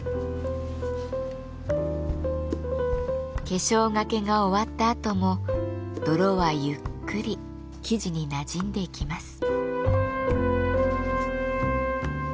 化粧がけが終わったあとも泥はゆっくり素地になじんでいきます。